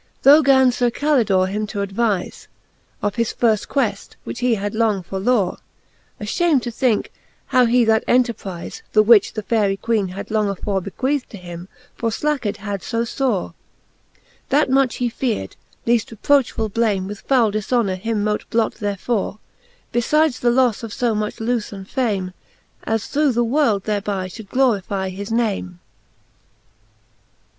Ddd 2 XI. Tho 388 "The ftxthe Booke of Canto XII. XII. Tho gan Sir Calidore him to advize Of his firft queft, which he had long forlore, Afham'd to thinke, how he that enterprize, The which the Faery Queene had long afore Bequeath'd to him, forflacked had fo fore ; That much he feared, leafl: reprochfull blame With foule difhonour him mote blot therefore ; Belides the lofTe of fo much loos and fame, As through the world thereby Ihould glorifie his name.